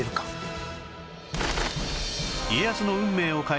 家康の運命を変えた！